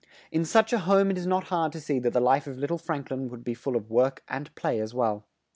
In such a home it is not hard to see that the life of lit tle Frank lin would be full of work and play as well.